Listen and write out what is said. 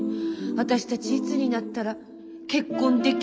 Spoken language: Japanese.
私たちいつになったら結婚できるのかしら。